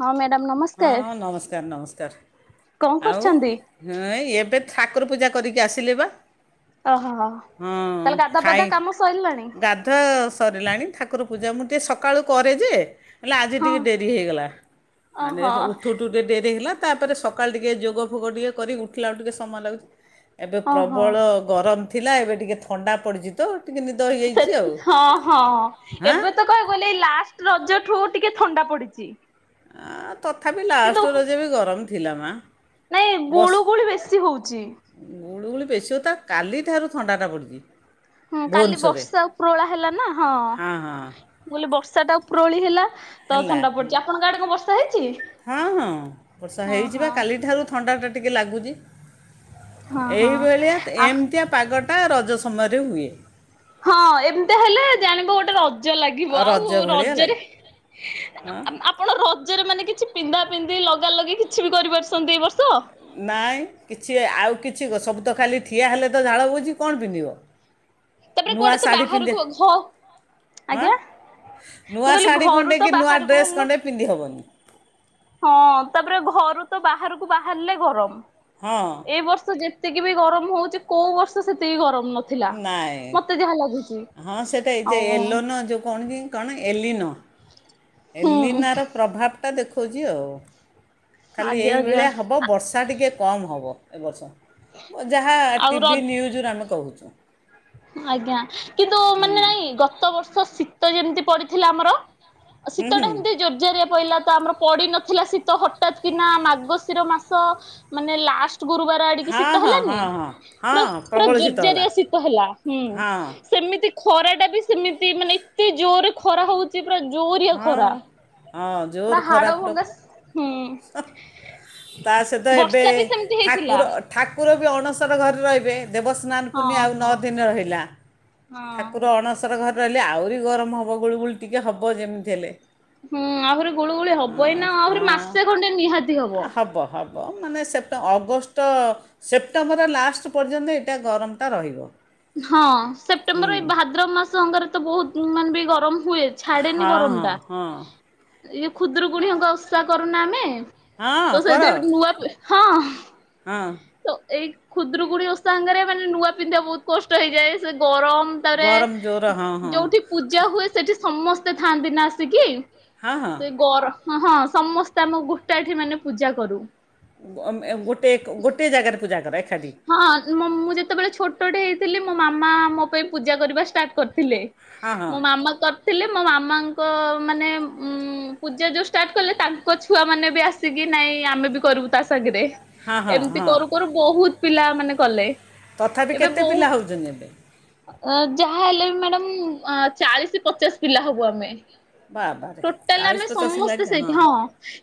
ହଁ ମ୍ୟାଡ଼ାମ ହଁ ନମସ୍କାର ନମସ୍କାର ନମସ୍କାର କଣ ଆଉ କରୁଛନ୍ତି? ହଁ ଏବେ ଠାକୁର ପୂଜା କରିକି ଆସିଲେ ବା ଓହୋ ହଁ ତାହେଲେ ଗାଧା ଖାଇ ପାଧା କାମ ସରିଲାଣି ଗାଧୁଆ ସରିଲାଣି ଠାକୁର ପୂଜା ମୁଁ ଟିକିେ ସକାଳୁ କରେ ଯେ ହେଲେ ଆଜି ହଁ ଟିକିେ ଡେରି ହୋଇଇଗଲା ମାନେ ଓହୋ। ଉଠୁଠୁ ଟିକିେ ଡେରି ହେଇଗଲା। ତାପରେ ସକାଳୁ ଟିକେ ଯୋଗ ଫୋଗ ଟିକେ କରି ଉଠିଲା ବେଳକୁ ଟିକେ ସମୟ ଲାଗୁଛି। ଏବେ ଓହୋ ପ୍ରବଳ ଗରମ ଥିଲା ଏବେ ଟିକେ ଥଣ୍ଡା ପଡିଯ ହଁ ହଁ ହାଁ ଏବେ ତ କହି ଗଲେ ଏଇ ଲାଷ୍ଟ ରଜ ଠୁ ଟିକେ ଥଣ୍ଡା ପଡିଛି। ଆ ତଥାପି କିନ୍ତୁ ଲାଷ୍ଟ ର ଯେ ବି ଗରମ ଥିଲା ମା ନାଇଁ ବସ୍ ଗୁଳୁ ଗୁଳି ବେଶୀ ହଉଛି। ଗୁଳୁଗୁଳି ପ ବେଶୀ ହ ତା କାଲି ତାାରୁ ଥଣ୍ଡାଟା ପଡ଼ିଛି। ହୁଁ କାଲି ଭୁବନେଶ୍ୱରରେ ବର୍ଷା ଉପରହଳା ହେଲା ନା ହଁ ବ ବର୍ଷା ସେଟା ଉପ୍ରୋବେଳି ହେଲା। ତ ହେଲା ଥଣ୍ଡା ପଡିଛି ଆପଣଙ୍କ ଆଡେ କଣ ବର୍ଷା ହେଇଛି? ହଁ ହଁ ବର୍ଷା ହଁ ହେଯିବା ହଁ କାଲିଠାରୁ ଥଣ୍ଡା ଟିକେ ଲାଗୁଛି। ହଁ ହଁ ଏଇଭଳିଆ ଆଉ ଏମିତିଆ ପାଗ ଟା ରଜ ସମୟରେ ହୁଏ। ହଁ ଏମିତି ହେଲେ ଜାଣିବ ଗୋଟେ ର ରଜ ଲାଗିବ ଆଉ ରଜ ଭଳିଆ ରଜରେ ଲାଗେ ହଁ ଆପଣ ରଜ ଜରେ ମାନେ କିଛି ପିନ୍ଧା ପିନ୍ଧି ଲଗା ଲଗି କିଛି ବି କରିପାରୁସନ୍ତି, ଏ ବର୍ଷ ନାଇଁ କିଛି ଆଉ କି ଛି ସବୁ ତ ଖାଲି ଠିଆ ହେଲେ ତ ଝାଳ ବୁହୁଛି କଣ ପିନ୍ଧିବ? ତାପରେ ନୂଆ କୁଆଡେ ତ ଶାଢ଼ୀ ପିନ୍ଧେ ବାହାରକୁ ଘ ହଁ ଆଜ୍ଞା ନୂଆ ମୁଁ କହିଲି ଶାଢ଼ୀ ଘରୁ ଖଣ୍ଡେ ତ କି ନୂଆ ବହାରକୁ ଡ୍ରେସ୍ ବାହାରିଲେ, ଖଣ୍ଡେ ପିନ୍ଧି ହେବନି ହଁ ତାପରେ ଘରୁ ତ ବାହାରକୁ ବାହାରିଲେ ଗରମ। ହଁ ଏଇ ବର୍ଷ ଯେତିକି ବି ଗରମ ହଉଛି କୋଉ ବର୍ଷ ସେତିକି ଗରମ ନଥିଲା। ମତେ ଯାହା ଲାଗୁଛି ଏଁ ହଁ ସେଇଟା ଏ ଯେ ଆଉ ଏଲୋନୋ ଯୋଉ, କଣ କି କଣ ଏଲିନୋ। ହୁଁ ଏଲିନା ର ପ୍ରଭାବ ଟା ଦେଖଉଛି ଆଉ। ଖାଲି ଆଜ୍ଞା ଆଜ୍ଞା। ଏଇଭଳିଆ ହବ ବର୍ଷା ଟିକେ କମ୍ ହବ ଏ ବର୍ଷ। ଯାହା ଆଉ ଟିଭି ର ନ୍ୟୁଜରୁ ଆମେ କହୁ ଆଜ୍ଞା। କିନ୍ତୁ ହୁଁ ମାନେ ନାଇଁ ଗତବର୍ଷ ଶୀତ୍ ତ ଯେମିତି ପଡିଥିଲା ଆମର। ହୁଁ ହୁଁ ଶୀତଟା ହେମତି ଜୋର୍ ଯାରିଆ ପଇଲା ତ ଆମର ପଡି ନ ଥିଲା ଶୀତ ହଠାତ୍ କିନା ମାଗଶିର ମାସ ମାନେ ଲାଷ୍ଟ୍ ଗୁରୁବାର ଆଡିକି ହଁ ଶୀତ ହଁ ହେଲାନି ହଁ ହଁ ପୁରା ହଁ ପୁରା ପ୍ରବଳ ଶୀତ ହେଲା ଜୋରଜାରିଆ ଶୀତ ହେଲା। ହୁଁ ହଁ ସେମି ଖରା ଟା ବି ସେମିତି ମାନେ ଏତେ ଜୋରରେ ଖରା ହଉଛି ପୁରା ଜୋରିଆ ହଁ ଖରା ପୁରା ଜୋର ଖରା ହାଡଭଙ୍ଗା ପୁରା ଶ ହୁଁ। ହଁ ତା ସହିତ ଏବେ ବର୍ଷା ବି ସେମିତି ହେଇଥିଲା ଠାକୁର ଠାକୁର ବି ଅଣ ସର ଘରେ ରହିବେ। ଦେବସ୍ନାନ ହଁ ପୂର୍ଣ୍ଣିମା ଆଉ ନଅ ହଁ। ଦିନ ରହିଲା ହଁ ଠାକୁର ଅଣସର ଘରେ ରହିଲେ ଆହୁରି ଗରମ ହବ ଗୁଳୁ ଗୁଳି ଟିକେ ହବ ଯେମିତି ହେଲେ। ହୁଁ ଆହୁରି ଗୁଳୁ ଗୁଳି ହବ ଏଇନା ଆହୁରି ମାସେ ଖଣ୍ଡେ ହବ ହବ ମାନେ ସେତ ଅଗଷ୍ଟ ସେପ୍ଟେମ୍ବର ଲାଷ୍ଟ୍ ପର୍ଯ୍ୟନ୍ତ ଏଇଟା ଗରମଟା ରହିବ। ହଁ ହୁଁ ସେପ୍ଟେମ୍ବର ଏଇ ଭାଦ୍ରମାସଙ୍କରେ ତ ବହୁତ ମାନେ ବି ଗରମ ହୁଏ ଛାଡ଼େନି ହଁ ଗରମ ହଁ ଟା। ହଁ ଇଏ ଖୁଦୁରୁକୁଣୀ ଏକା ଓଷା କରୁନା ଆମେ। ହଁ ତ କର ସେଇଥିରେ ବି ନୂଆ ହଁ। ତ ଏଇ ଖୁଦରୁକୁୁଡି ଓସା ସାଙ୍ଗରେ ମାନେ ନୂଆ ପିନ୍ଧିବା ବହୁତ କଷ୍ଟ ହେଇଯାଏ ସେ ଗରମ ଗରମ ଜୋର ହଁ [inaudible] ହଁ ଯୋଉଠି ପୂଜା ହୁଏ ସେଠି ସମସ୍ତ ତେ ଥାଆନ୍ତି ନା ଆସିକି ହଁ ହଁ ସେ ଗର ହଁ ହଁ ସମସ୍ତେ ଆମ ଗୋଟା ଏଠି ମାନେ ପୂଜା କରୁ ଗୋଟ ଟେ ଗୋଟେ ଜାଗାରେ ପୂଜା କର ଏକାଠି ହଁ ମଁ ମୁଁ ଯେତେବେଳେ ଛୋଟଟେ ହେଇଥିଲି ମୋ ମାମା ମା ଆମ ପାଇଁ ପୂଜା କରିବା ଷ୍ଟାର୍ଟ କରି ଥିଲେ ହଁ ମୋ ହଁ ମାମା କ ଥିଲେ ମୋ ମାମାଙ୍କ ମାନେ ମଁ ପୂଜା ଯେଉଁ ଷ୍ଟାର୍ଟ କଲେ ତାଙ୍କ ଛୁଆମାନେ ବି ଆସିକି ନାଇଁ ଆମେ ବି କରିବୁ ତା ସାଙ୍ଗରେ ହଁ ହଁ ଏମିତି ହଁ କରୁ କରୁ ବହୁତ। ପିଲା ମାନେ କଲେ ତଥାପି କେତେ ପିଲା ହଉଛନ୍ତି ଏବେ ଅଁ ଯାହା ହେଲେ ବି ମ୍ୟାଡ଼ାମ ମଁ ଚାଳିଶ ପଚାଶ ପିଲା ହବୁ ଆମେ ବାବାରେ ଟୋଟାଲ ଚାଳିଶ ଆମେ ପଚାଶ ସମସ୍ତେ ଲାଗେ ସେଇଠି ହଁ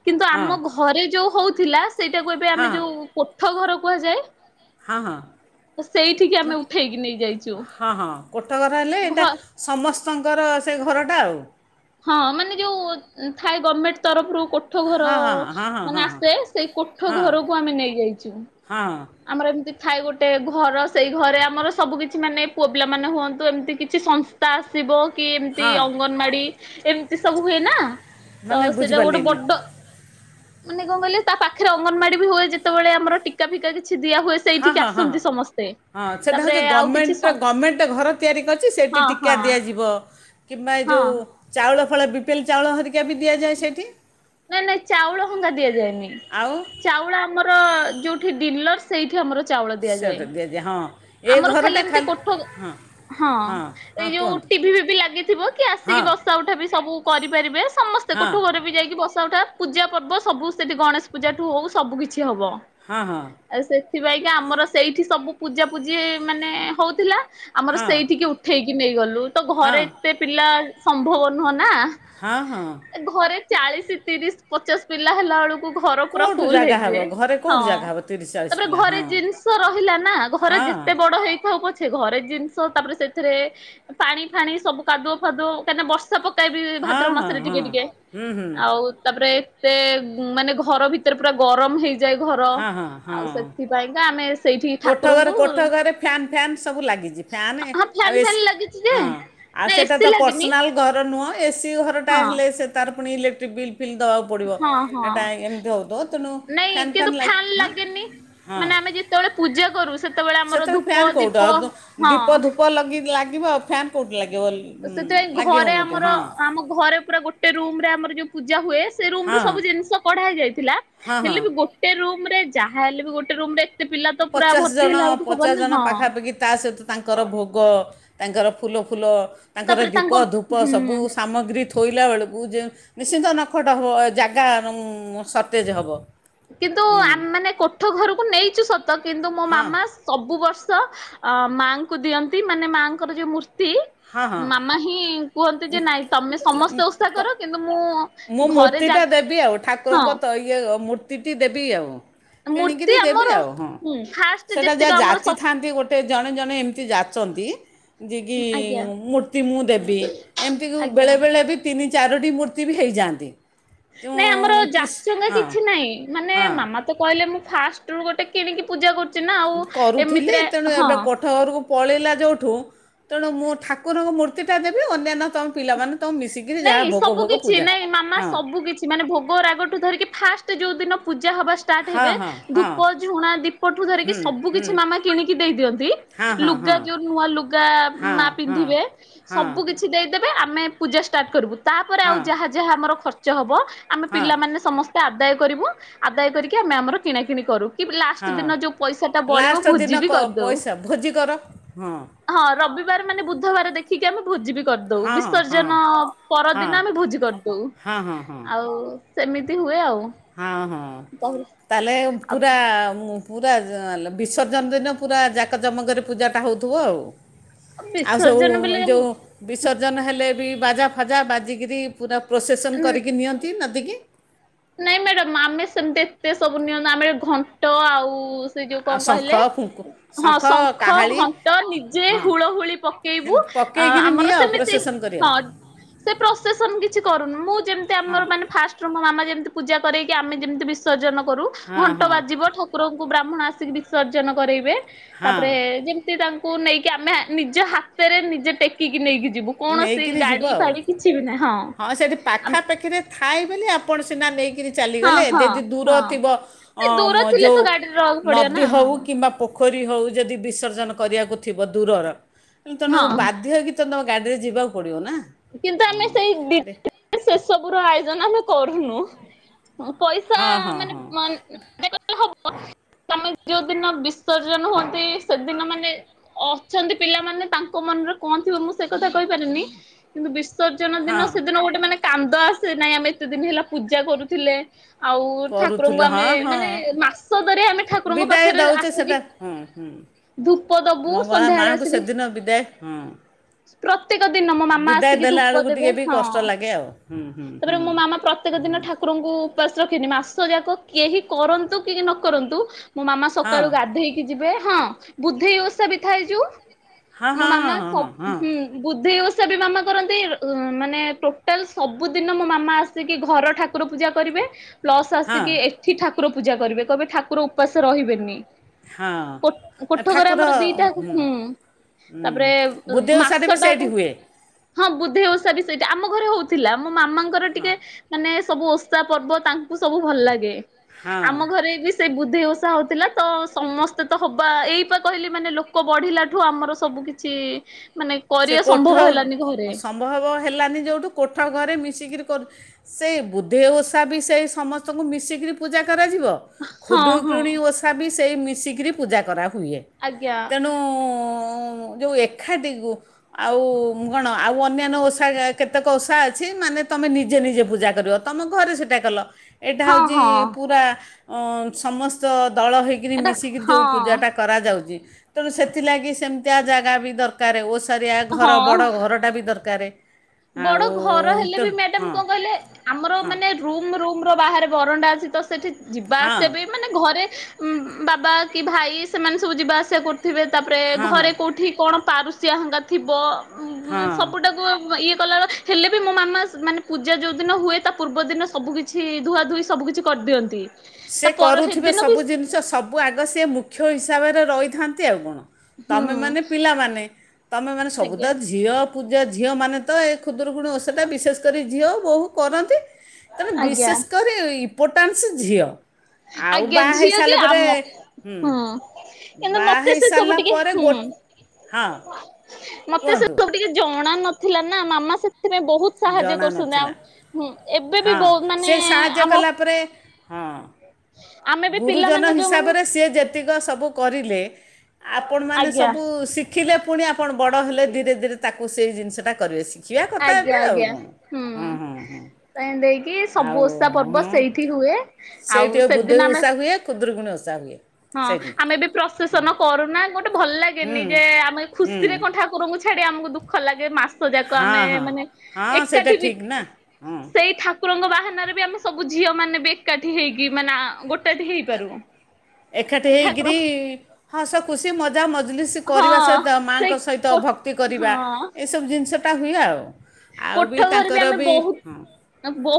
କିନ୍ତୁ ହଁ ଆମ ଘରେ ଯୋଉ ହଉଥିଲା ସେଇଟାକୁ ଏବେ ହଁ ଆମେ ଯୋଉ କୋଠ ଘର ପୁହା ଯାଏ। ହଁ ହଁ ଉଠେଇକି ନେଇଯାଇଛୁ। ହଁ ହଁ କୋଠଘରେ ହେଲେ ଘ ଏଟା ସମସ ଶଙ୍କର ସେ ଘରଟା ଆଉ ହଁ ମାନେ ଯୋଉ ଥାଏ ଗଭର୍ଣ୍ମେଣ୍ଟ୍ ତରଫରୁ କୋଠ କୋଠ ଘର ହଁ ହଁ ହଁ ହଁ ମାନେ ହଁ ହଁ ଆସେ ସେଇ କୋଠ ହଁ ଘରକୁ ଆମେ ନେଇଯାଇଛୁ ହଁ ଆମର ଏମିତି ଥାଏ ଗୋଟେ ଘର ସେଇ ଘରେ ଆମର ସବୁକିଛି ମାନେ ପୁଅ ପିଲା ମାନେ ହୁଅନ୍ତୁ ଏମିତି କିଛି ସଂସ୍ଥା ଆସିବ କି ଏମିତି ହଁ ଅଙ୍ଗନବାଡ଼ି ଏମିତି ସବୁ ହୁଏ ନା। ତ ମାନେ ସେଇଟା ଗୋଟେ ବୁଝିପାରିଲିନି ବଡ ମାନେ କଣ କହିଲେ ତା ପାଖରେ ଅଙ୍ଗନବାଡି ବି ହୁଏ ଯେତେବେଳେ ଆମର ଟିକା ଫିକା କି? ହଁ ହଁ ହଁ ହଁ ହଁ ସେଇଟା ତାପରେ ହଉଛି ଆଉ କିଛି ଗମେଣ୍ଟ ସଂ ଗମେଣ୍ଟ ଘର ତିଆରି କରିଛି ସେଇଠି ହଁ ଟୀକା ହଁ ଦିଆଯିବ। କିମ୍ବା ଏ ଯୋଉ ହଁ। ଚାଉଳ ଫଳ ବିପିଏଲ ଚାଉଳର ହେରିକା କେବି ଦିଆଯାଏ ସେଠି? ନାଇଁ ନାଇଁ ଚାଉଳ ହଙ୍କା ଦିଆଯାଏନି, ଆଉ ଚାଉଳ ଆମର ର-ଯୋଉଠି ଡିିଲର ସେଇଠି ଆମର ଚାଉଳ ଦିଆଯାଏ, ସେଟା ହଁ ଏ ଆମର ଖାଲି ଘରଟା ଏମିତି କୋଠକ ହଁ ହଁ ଏଇ ହଁ ଯୋଉ କୁହନ୍ତୁ ଟିଭି ଫିଭି ଲାଗିଥିବ କି ଆସିକି ହଁ ବସା ଉଠା ଵି ସବୁ କରି ପାରିବେ ସ ସମସ୍ତେ ହଁ କୋଠ ଘରେ ବି ଯାଇକି ବସ ସ ଉଠା ପୂଜା ପର୍ବ ସବୁ ସେଠି ଗଣେଶ ପୂଜା ଠୁ ହଉ ସବୁ କିଛି ସିଏ ହବ ହଁ ହଁ ଏ ସେ ସେଥିପାଇଁ କା ଆମର ସେଇଠି ସବୁ ପୂଜା ପୂଜି ମାନେ ହଉଥିଲା। ଆମର ହଁ ସେଇଠିକି ଉଠେଇକି ନେଇଗଲୁ ତ ଘରେ ହଁ ଏତେ ପିଲା ସମ୍ଭବ ନୁହଁ ନା। ହଁ ହଁ। ଚାଳିଶି ତିରିଶ ପଚାଶ ପିଲା ହେଲା ବେଳୁ ଘର ପୁରା କେଉଁଠୁ ଫୁଲ ଜାଗା ହେବ ହେଇଯିବେ, ଘରେ କେଉଁଠୁ ହଁ ଜାଗା ହେବ ତିରିଶ ଚାଳିଶ ତାପରେ ପିଲା ଘରେ ହଁ ଜିନିଷ ରହିଲା ନା ଘରେ ହଁ ଯେତେ ବଡ ହେଇଥାଉ ପଛେ ଘରେ ଜିନିଷ ତାପରେ ସେଥିରେ ପାଣି ଫାଣି ସବୁ କାଦୁଅ ଫାଦୁଅ କାହିଁକିନା ବର୍ଷା ପ ଟା ବି ହଁ ଭାଦ୍ରବ ହଁ ମାସରେ ହଁ ଟିକେ ଟିକେ ହୁଁ ହୁଁ ଆଉ ତାପରେ ଏତେ ମାନେ ଘର ଭିତରେ ପୁରା ଗରମ ହେଇ ଯାଇ ଘର ହଁ ହଁ ଆଉ ହଁ ସେଥିପାଇଁକା ଆମେ ସେଇଠି କୋଠ ଘରେ ଠାକୁରଙ୍କୁ କୋଠ ହଁ ଘରେ ଫ୍ୟାନ୍ ଫ୍ୟାନ୍ ସବୁ ଲାଗିଚି, ଫ୍ୟାନ୍ ଫ୍ୟାନ ଏ-ଆଉ ଏସ ଫ୍ୟାନ ଲାଗିଛି ଯେ ହଁ ଆଉ ନା ସେଟା ଏସି ତ ଲାଗିନି ପର୍ସନାଲ୍ ଘର ନୁହଁ। ଏସିି ଘର ଟା ହଁ ହେଲେ ସେ ତାର ପୁଣି ଇଲେକ୍ଟ୍ରିକ୍ ବିଲ୍ ଫିଲ୍ ଦବାକୁ ପଡ଼ିବ ହଁ ହଁ। ହେଟା ଏମିତି ହଉଥିବ ତେଣୁ ନାଇଁ ଫ୍ୟାନ୍ କିନ୍ତୁ ଫ୍ୟାନ୍ ଲାଗ ହାଁ ଲାଗେନି। ହଁ। ମାନେ ଆମେ ଯେତେବେଳେ ପୂଜା କରୁ ସେତେବେଳେ ଆମର ସେଥିରେ ଧୂପ ଫ୍ୟାନ୍ କେଉଁଠି ଦୀପ ଆଉ ଦୁ- ହଁ ଦୀପ ଧୂପ ଲଗି ଲାଗିବ ଆଉ ଫ୍ୟାନ୍ କୋଉଠୁ ଲା ଅ, ସେଥିପାଇଁ ଘରେ ଆମର ଆମ ଘରେ ପୁରା ଗୋଟେ ରୁମ୍ ରେ ଆମର ଯୋଉ ପୂ ଜା ହୁଏ। ସେ ରୁମ୍ ହଁ ରୁ ସବୁ ଜିନିଷ କଢା ହେଇ ଯାଇ ଥିଲା ହଁ ହଁ ହେଲେ ବି ଗୋଟେ ରୁମ୍ ରେ ଯାହା ହେଲେ ବି ଗୋଟେ ରୁମ୍ ରେ ଏତେ ପିଲା ତ ପୁରା ପଚାଶ ଭର୍ତ୍ତି ଜଣ ହେଲା ବେଳକୁ ପଚାଶ ହବନି ଜଣ ହଁ। ପାଖାପାଖି ତା ସହିତ ତାଙ୍କର ଭୋଗ ତାଙ୍କର ଫୁଲ ଫୁଲ। ତାଙ୍କର ତାପରେ ଦୀପ ତାଙ୍କ ଧୂପ ସବୁ ହୁଁ। ସାମଗ୍ରୀ ଥୁ ଥୋଇଲା ବେଳକୁ ଯେ ନିଶ୍ଚିନ୍ତ ନଖଟ ହେବ ଜାଗା ସର୍ଟେଜ୍ ହେବ। କିନ୍ତୁ ହଁ ଆମ ମାନେ କୋ ଠ ଘରକୁ ନେଇଛୁ ସତ ତ କିନ୍ତୁ ମୋ ହଁ ମାମା ସବୁ ବର୍ଷ ମାଙ୍କୁ ଦିଅନ୍ତି ମାନେ ମାଆଙ୍କର ଯୋଉ ମୂର୍ତ୍ତି । ହଁ ଅଛି ହଁ ମାମା ହିଁ କୁହନ୍ତି ଯେ ନାଇଁ ତମେ ସମସ୍ତେ ଓସା କର କିନ୍ତୁ ମୁଁ ମୁଁ ଘରେ ଜା ମୂର୍ତ୍ତିଟା ହଁ ତିଟି ଦେବି ଆଉ ମୂର୍ତ୍ତି କିଣିକିରି ଦେବି ଆମର ଆଉ ହଁ। ଫାଷ୍ଟ ଯେତିକ ଆମର ସବୁ । ଜଣ ଜଣେ ଏମ ଯାଛନ୍ତି ଯେ କି ଆଜ୍ଞା ମୂର୍ତ୍ତି ମୁଁ ଦେବି ଏମିତି ଆଜ୍ଞା। ବେଳେ ବଳେ ବି ତିନି ଚାରୋଟି ମୂର୍ତ୍ତି ବି ହେଇଯାଆନ୍ତି । ନାଇଁ ଆମର ଜାଚନା କିଛି ନାଇଁ ମାନେ ହଁ ମାମା ତ କହିଲେ ମୁଁ ଫାଷ୍ଟ । ଗୋଟେ କିଣି କି ପୂଜା କ କରୁଥିଲି ତେଣୁ ଏବେ କୋଠ ଘରକୁ ପଳେଇଲା ଯୋଉଠୁ ତେଣୁ ମୁଁ ଠାକୁରଙ୍କ ମୁର ର୍ତ୍ତି ଟା ଦେବି ଅନ୍ୟାନ୍ୟ । ନାଇଁ ସବୁ କିଛି ପୂଜା ନାଇଁ ମାମା ହଁ ସବୁ କିଛି ମାନେ ଭୋଗ ରାଆଗଠୁ ଧରିକି ଫାଷ୍ଟ ଯୋଉ । ଦିନ ପୂଜ ପୂଜା ହବା ଷ୍ଟେଟ ହଁ ହେବେ ହଁ ଧୂପ ହଁ। ଝୁଣା ଦିପଠୁ ଧରିକି ସବୁ କିଛି ମାମା କିଣିକି ଦେଇ ଦିଅନ୍ତି ଲୁଗା ଯୋଉ ନୂଆ ଲୁଗା ମା ପିନ୍ଧିବେ ହଁ ସବୁ କିଛି ଦେଇ । ଦେବେ ଆମେ ପୂଜା ଷ୍ଟାର୍ଟ କରବୁ । ତାପରେ ଆଉ ହଁ ଯାହା ଯାହା ଆମର ଖର୍ଚ୍ଚ ଚ୍ଚ ହବ । ଆମେ ହଁ ହଁ ପିଲାମାନେ ସମସ୍ତେ ଆଦାୟ କରିବୁ ଆଦାୟ କରିକି ଆମେ ଆମର କିଣାକିଣି କରୁ । କି ଲାଷ୍ଟ ହଁ ଦିନ ଯୋଉ ପଇସା ଟା ବଳିବ ଲାଷ୍ଟ ଭୋଜି ଦିନ ବି କ କରିଦଉ ପଇସା ଭୋଜି କର ହଁ ହଁ ରବି ବାର ମାନେ ବୁଧବାର ଦେଖି ଆମେ ଭୋଜି ବି କ ଦଉ ହଁ ହଁ ହଁ ବିସର୍ଜନ ହଁ ପରଦିନ ହଁ ଆମେ ଭୋଜି କରିଦଉ ହଁ ହଁ ଆଉ । ସେମିତି ହୁଏ ଆଉ । ହଁ ହଁ ତାହେଲେ ପୁରା ତାପରେ ମୁ ପୁରା ଯା ଲ ବିସର୍ଜନ ଦିନ ପୁରା ଜାକ ଜମକରେ ପୂଜାଟା ହେଉଥିବ ଆଉ । ଆଉ ସବୁ ବିସର୍ଜନ ବେଲେ ଯୋଉ ବିସର୍ଜନ ହେଲେ ବାଜା ଫାଜା ବାଜିିକରି ପୁରା । ପ୍ରୋସେସନ୍ କରିକି ନିଅନ୍ତି ନଦିକି । ନାଇଁ ମ୍ୟାଡ଼ାମ ଆମେ ସେମିତି ଏତେ ସବୁ ନିଅନ୍ତୁ ଆମେ ଘଣ୍ଟ ଆଉ ସେ ଯୋଉ ଆଉ କଣ ଶଙ୍ଖ କହିଲେ ଫୁଙ୍କୁ ହଁ ଶଙ୍ଖ କାହାଳି ଘଣ୍ଟ ନିଜେ ହଁ ହୁଳ ହୁଳି ପକେଇବୁ ହେନ୍ତି ପକେଇକିରି ଆମର ନିଅ ସେମିତି ପ୍ରୋସେସନ୍ କରିବ ହଁ ସେ ପ୍ରସେସନ କିଛି କରୁନି ମୁଁ ଯେମତି ହଁ ଆମର ମାନେ ଫା ମୋ ମାମା ଯେମିତି ପୂଜା କରଇକି ଆମେମିତି ବିସର୍ଜ ହଁ ଘଣ୍ଟ ହଁ ବାଜିବ ଠକୁରଙ୍କୁ ଆପଣ ଆସିକି ବିସର୍ଜନ କରେଇବେ ହଁ ତାପରେ ଯେମିତି ତାଙ୍କ ଙ୍କୁ ନେଇକି ଆମେ ନିଜ ହାତରେ ନିଜେ ଟେକିକି ନେଇକି ଯିବୁ କୌଣସି ନେଇକିରି ଯିବ ଗାଡି ଆଉ ଫାଡି କିଛି ବି ନାହିଁ ହଁ ସେଠି ପାଖାପାଖିରେ ଥାଏ ବୋଲି ଆପଣ ନା ନେଇ କିରି ହଁ ଚାଲିଗଲେ ଏ ହଁ ଯେଦି ଦୂର ଥିବ ହଁ ଦୂର ଥିଲେ ଯୋଉ ତ ଗାଡିରେ ରହିବାକୁ ପଡିବ ନଦୀ ନା ହଉ ହଁ କିମ୍ବା ପୋ ପୋଖରୀ ହଉ ଯଦି ବିସର୍ଜନ କରିବାକୁ ଥିବ ଦୂରର ହେଲେ ତମକୁ ହଁ ବାଧ୍ୟ ହେଇକି ତ ତମେ ଗାଡିରେ ଯିବାକୁ ପଡିବ ନା। କିନ୍ତୁ ଆମେ ସେଇ ସେଠି ସେସବୁ ର ଆୟୋଜନ ଆମେ କରୁନୁ। ପଇସା ହଁ ହଁ ହଁ ମାନେ ହବ ଆମେ ଯୋଉ ଦିନ ବିସର୍ଜନ ହୁଅନ୍ତି ସେଦିନ ମାନେ ଅଛନ୍ତି ପିଲାମାନେ ତାଙ୍କ ମନରେ କଣ ଥିବ ମୁଁ ସେ କଥା କହିପାରିବିନି କିନ୍ତୁ ବିସ ବିସର୍ଜନ ଦିନ ହଁ ସେଦିନ ଗୋଟେ ମାନେ କାନ୍ଦ ଆସେ ନାଇଁ ଆମେ ଏତେ ଦିନ ହେଲା ପୂଜା କରୁଥିଲେ। ଆଉ ଠାକୁରଙ୍କୁ କରୁଥିଲୁ ଆମେ ହଁ ହଁ ମାନେ ମାସ ଧରି ଆମେ ଠାକୁରଙ୍କ ବିଦାୟ ପାଖରେ ଦେଉଛେ ଆସିକି ସେଟା ହୁଁ ହୁଁ ଧୂପ ଦବୁ ମଙ୍ଗଳା ସନ୍ଧ୍ୟାବେଳେ ମା'ଙ୍କୁ ଆସିକି ସେଦିନ ବିଦାୟ ହଁ ପ୍ରତ୍ୟେକ ଦିନ ମୋ ମାମା ବିଦାୟ ଦେଲା ଧୂପ ବେଳକୁ ଦେବେ ଟିକେ ବି ହଁ କଷ୍ଟ ଲାଗେ ଆଉ ହୁଁ ହୁଁ ହୁଁ ତାପରେ ମୋ ମାମା ପ୍ରତ୍ୟେକ ଦିନ ହୁଁ ଠାକୁରଙ୍କୁ ମା ରଖିନି ମାସ ଯାକ କେହି କରନ୍ତୁ କେହି ନ କରନ୍ତୁ ମୋ ମାମା ହଁ ସକାଳୁ ଗାଧେଇକି ଯିବେ ହଁ ବୁଧେଇ ଓଷା ବି ଥାଏ ଯୋଉ ହଁ ମୋ ମାମା ହଁ ହଁ ସବୁ ହଁ ହୁଁ ବୁଧେଇ ଓଷା ଓଷା ବି ମାମା କରନ୍ତି ମାନେ ଟୋଟାଲ ସବୁ ଦିନ ମୋ ମାମା ଆସିକି ଘର ଠାକୁର ପୂଜା କରିବେ ପ୍ଲସ୍ ହଁ ଆସିକି ଏଠି ଠାକୁ ଠାକୁର ପୂଜା କରିବେ କହିବେ ଠାକୁର ଉପାସ ରହିବେନି ହଁ କୋଠ ହଁ କୋଠଘର ଠାକୁର ଆମର ଦିଟା ହୁଁ ହୁଁ ତାପରେ ବୁଧେଇ ଓଷାରେ ବି ସେଇଠି ମାସଟାକୁ ହୁଏ ହଁ ବୁଧେଇ ଓଷା ବି ସେଇଟି ଆମ ଘରେ ହଉଥିଲା। ମୋ ମାମାଙ୍କର ହଁ ଟିକେ ମାନେ ସବୁ ଓଷା ପର୍ବ ତାଙ୍କୁ ସବୁ ଭଲ ଲାଗେ । ହଁ ଆମ ଘରେ ବି ସେ ବୁଧେଇ ଓଷା ହଉଥିଲା ତ ସମସ୍ତେ ତ ହବା ଏଇପା କହିଲେ ମାନେ ଲୋକ ବଢିଲା ଠୁ ଆମର ସବୁ କିଛି ମାନେ ସେ କରିବା କୋଠ ସମ୍ଭବ ହେଲାନି ଘରେ ସମ୍ଭବ ହେଲାନି ଯୋଉଠୁ କୋଠ ଘରେ ମିଶିକରି କର ସେଇ ବୁଦ୍ଧେଇ ଓଷା ବି ସେଇ ସମସ୍ତଙ୍କୁ ମିଶିକିରି ପୂଜା କରାଯିବ ହଁ ହଁ ଖୁଦୁରୁକୁଣୀ ଓଷା ବି ସେଇ ମିଶିକିରି ପୂଜା କର ହୁଏ ଆଜ୍ଞା ତେଣୁ ଯୋଉ ଏକାଠି ଆଉ କଣ ଆଉ ଅନ୍ୟାନ୍ୟ ଓଷା କେତେକ ଓଷା ଅଛି ମାନେ ତମେ ନିଜେ ନିଜେ ପୂଜା କରିବ ତମ ଘରେ ସେଟା କଲ ଏଇଟା ହଁ ହୋଉଚି ହଁ ପୁରା ଅ ସମସ୍ତ ଦଳ ହେଇକରି ଏଟା ମିଶିକିରି ଯେଉଁ ପୂଜାଟା ହଁ କରାଯାଉଚି ତେଣୁ ସେଥିଲାଗି ସେମତି ଓସାରିଆ ଜାଗା ବି ଦରକାର ଓ ଓସାରିଆ ଘର ହଁ ବଡ଼ ଘରଟା ବି ଦର କରେ ବଡ ଘର ହେଲେ ବି ମ୍ୟାଡାମ କଣ କହିଲେ ଆମର ହଁ ମାନେ ରୁମ ରୁ ରୁମର ବାହାରେ ବରଣ୍ଡା ଅଛି ତ ସେଠି ଯିବା ହଁ ଆସିବା ବି ମାନେ ଘରେ ବାବା କି ଭାଇ ସେମାନେ ସବୁ ଯିବା ଆସିବା କ ରୁଥିବେ ତାପରେ ହଁ ହଁ ଘରେ କୋଉଠି କଣ ପାରୁସିୟା ହଙ୍ଗା ଥିବ। ହଁ ସବୁଟାକୁ ଇଏ ହେଲେ ବି ମୋ ମାମା ମାନେ ପୂଜା ଯୋଉ ଦିନ ହୁଏ ତା ପୂର୍ବ ଦିନ ସବୁ କିଛି ଧୁଆ ଧୁୋଇ ସବୁ କିିଛି କରିଦିଅନ୍ତି। ତା ସେ ପର କରୁଥିବେ ସେଦିନ ବି ସବୁ ଜିନିଷ ସବୁ ଆଗ ସିଏ ମୁଖ୍ୟ ହିସାବରେ ହିସାବରେ ରହିଥାନ୍ତି ଆଉ କଣ ହୁଁ ତମେମାନେ ପିଲାମାନେ ତମେମାନେ ସବୁତ ଆଜ୍ଞା ଝିଅ ପୂଜା ଝିଅମାନେ ତ ଏ ଖୁଦୁରୁକୁଣ ଓଷଟା ବିଶେଷ କରି ଝିଅ ବୋହୁ କରନ୍ତି। ତେଣୁ ଆଜ୍ଞା ବିଶେଷ କରି ଇମ୍ପୋଟାଂଶ ଝିଅ ଆଉ ଆଜ୍ଞା ବାହା ଝିଅ ଯେ ହେଇସାରିଲା ପରେ ଆମ ହୁଁ କିନ୍ତୁ ବାହା ମତେ ସେ ସବୁ ହେଇସାରିଲା ଟିକେ ପରେ ଗୋ ହୁଁ ହଁ ମତେ ସେ କୁହନ୍ତୁ ସବୁ ଟିକେ ଜ ଜଣା ନଥିଲା ନା ମାମା ସେ ସେଥିପାଇଁ ବହୁତ ସାହାଯ୍ୟ ଜଣା କରୁଚନ୍ତ ନଥିଲା ଆଁ ଏବେ ବି ହଁ ବୋହୁ ସେ ମାନେ ସାହାଯ୍ୟ ଆମ କଲା ପରେ ହଁ ଆମେ ବି ଗୁରୁଜନ ପିଲାମାନେ ଯୋଉମାନେ ହିସାବରେ ସିଏ ଯେତିକ ସବୁ କରିଲେ [inaudible] ଆପଣମାନେ ଆଜ୍ଞା ସବୁ ଶିଖିଲେ ପୁଣି ଆପଣ ବଡ ହେଲେ ଧୀରେ ଧୀରେ ତା ତାକୁ ସେଇ ଜିନିଷ ଟା କରିଆସି। ଆଜ୍ଞା ଆଜ୍ଞା ହୁଁ ହଁ ହଁ ଏନ୍ତେ ହେଇକି ସବୁ ଆଉ ଓଷା ପର୍ବ ସେଇଠି ହୁଏ। ଆଉ ସେ ଯୋଉ ଓଷା ହୁଏ ଖୁଦୁରୀକୁଣି ଓ ଜା ହୁଏ। ହଁ ସେଇଠି ଆମେବି ପ୍ରଶେସନ କରୁନା ଗୋଟେ ଭଲ ହୁଁ ଲାଗେନି ଯେ ଆମେ ହୁଁ ଖୁସିରେ କଣ ଠାକୁରଙ୍କୁ [unintelligible] ଆମକୁ ଦୁଃଖ ଲାଗେ ମାସ ସଯାକ ହଁ ଆମେ ହଁ ମାନେ ହଁ ସେଇଟା ଏକାଠି ବି ଠିକ୍ ନା ହଁ ସେଇଠାକ କୁରଙ୍କ ବାହାନାରେ ବି ଆମେ ସବୁ ଝିଅ ମାନେ ବି ଏକାଠି ହେଇକି ମାନେ ଆ ଗୋଟ କାଠି ହେଇପାରୁନୁ। ଖାଠି ହେଇକରି ହସ ଖୁସି ମଜା ମଜଲିସ ହଁ କରିବା ସହିତ ସେ ମାଆଙ୍କ ସହିତ କୋ ଭକ୍ତି କରିବା। ହଁ ଏସବୁ ଜିନ [unintelligible] ଶଟା ହୁଏ ଆଉ। ଆଉ କୋଠ ଘରେ ବି ତାଙ୍କର ଆମେ ବହୁତ, ହଁ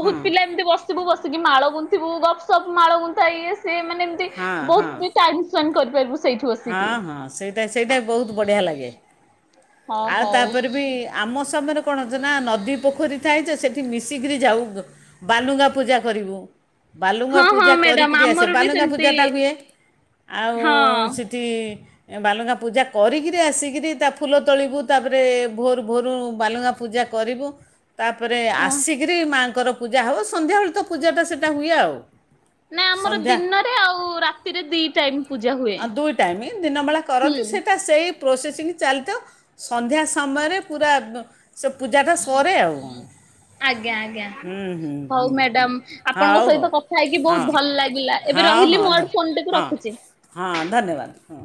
ହଁ ପିଲା ଏମିତି ବସିବୁ ବସିକି ମାଳ ଗୁନ ଥିବୁ ଗପ୍ ସପ୍ ମାଳ ଗୁନ୍ଥା ଇଏସ। ସେ ମାନେ ଏମତି ହଁ ହଁ ବହୁତ ବି ଟାଇମ୍ ସ୍ପେଣ୍ଡ କରିପାରିବୁ। ସେଇଠି ହଁ ବସିକି। ହଁ ସେଇଟା ସେଇଟା ବହୁତ ବଢ଼ିଆ ଲାଗେ। ହଁ ଆଉ ହଉ ତାପରେ ବି ଆମ ସମର ପଣଜ ନା ନଦୀ ପୋଖରୀ ଥାଇ ଯେ ସେଠି ମିଶିକିରି ଯାଉ ବାଲୁଙ୍ଗା ପୂଜା କରିବୁ। ବାଲୁଙ୍ଗା ହଁ ହଁ ପୂଜା ମ୍ୟାଡାମ କରିକିରି ଆସେ ଆମର ବି ବାଲୁଙ୍ଗା ସେମିତି ପୂଜାଟା ହୁଏ। ଆଉ ହଁ ସେଠି ବାଲୁଙ୍ଗା ପୂଜା କରିକିରି ଆସିକିରି ତା ଫୁଲ ତୋଳିବୁ ତାପରେ ଭୋରୁ ଭୋରୁ ବାଲୁଙ୍ଗା ପୂଜା କରିବୁ। ତାପରେ ଓ ଆସିକିରି ମା କର ପୂଜା ହଉ ସନ୍ଧ୍ୟାବେଳେ ତ ପୂାଜା ଟା ସେଟା ହୁଏ ଆଉ। ନାଁ ଆମର ସନ୍ଧ୍ୟା ଦିନରେ ଆଉ ରାତିରେ ଦି ଟାଇମ୍ ପୂଜା ହୁଏ ଆଉ ଦୁଇ ଟାଇମ୍ ଦିନବେଳା ହୁଁ। କରନ୍ତି ସେଇଟା ସେଇ ପ୍ରୋସେସିଂ ଚାଲିଥାଉ। ସନ୍ଧ୍ୟା ସମୟରେ ପୁରା ସେ ପୂଜାଟା ସରେ ଆଉ କ'ଣ ଆଜ୍ଞା ଆଜ୍ଞା ହୁଁ ହୁଁ ହୁଁ ହଉ ହୁଁ ମ୍ୟାଡାମ୍ ଆପଣଙ୍କ ହଉ ହଉ ସହିତ କଥା ହେଇକି ବହୁତ ହଁ ଭଲ ଲାଗିଲା। ଏବେ ରହିଲି ହଁ ହଁ ମୋଆଡୁ ଫୋନଟା କୁ ହଁ ରଖୁଚି। ହଁ ଧନ୍ୟବାଦ ହଁ